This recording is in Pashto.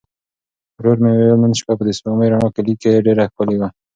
ورور مې وویل نن شپه به د سپوږمۍ رڼا کلي کې ډېره ښکلې وي.